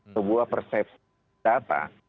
sebuah persepsi data